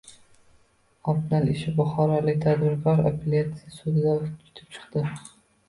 “Obnal ishi”: Buxorolik tadbirkor apellyatsiya sudida yutib chiqdi